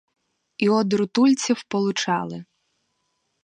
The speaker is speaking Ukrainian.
І од рутульців получали